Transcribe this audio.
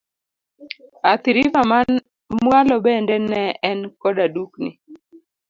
Athi River ma mwalo bende ne en koda dukni.